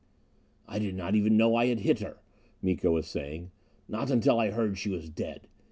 "I did not even know I had hit her," Miko was saying. "Not until I heard she was dead."